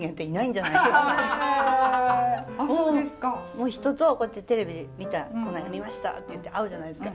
もう人とこうやって「テレビで見たこないだ見ました」って言って会うじゃないですか。